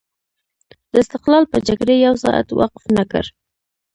د استقلال په جګړې یو ساعت وقف نه کړ.